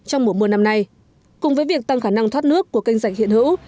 trong mùa mùa năm nay cùng với việc tăng khả năng thoát nước của kênh dạy hiện hữu